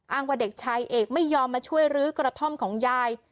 ว่าเด็กชายเอกไม่ยอมมาช่วยลื้อกระท่อมของยาย